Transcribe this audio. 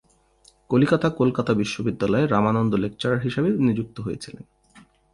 কলিকাতা কলকাতা বিশ্ববিদ্যালয়ে 'রামানন্দ' লেকচারার হিসেবে নিযুক্ত হয়েছিলেন।